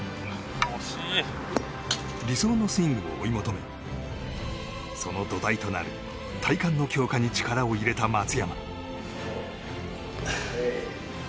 理想のスイングを追い求めその土台となる体幹の強化に力を入れた松山。